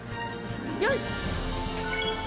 よし。